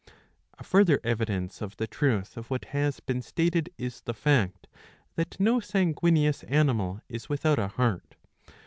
A further evidence of the truth of what has been stated is the fact that no sanguineous animal is without a heart.